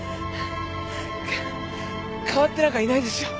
かっ変わってなんかいないですよ。